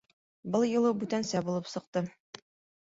Был юлы бүтәнсә булып сыҡты.